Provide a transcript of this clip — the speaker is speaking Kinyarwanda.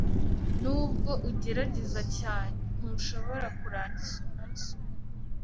Nubwo ugerageza cyane, ntushobora kurangiza umunsi umwe.